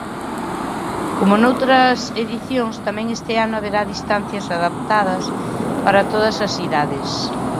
Como noutras edicións tamén este ano haberá distancias adaptadas para todas as idades.